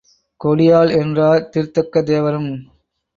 கொடியாள் என்றார் திருத்தக்கதேவரும்.